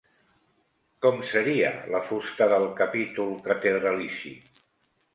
Com seria la fusta del capítol catedralici?